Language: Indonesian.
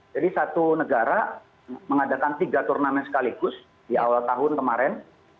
jadi satu negara mengadakan tiga turnamen sekaligus di awal tahun kemarin